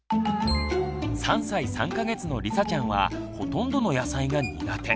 ３歳３か月のりさちゃんはほとんどの野菜が苦手。